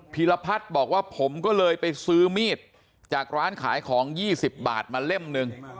ีรพัฒน์บอกว่าผมก็เลยไปซื้อมีดจากร้านขายของ๒๐บาทมาเล่มหนึ่ง